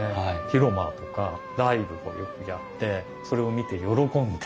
広間とかライブをよくやってそれを見て喜んで。